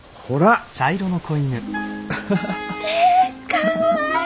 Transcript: かわいい。